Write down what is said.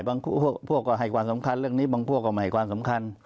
พวกก็ให้ความสำคัญเรื่องนี้บางพวกก็ไม่ให้ความสำคัญ